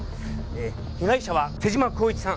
被害者は瀬島孝一さん。